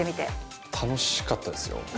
楽しかったですよ。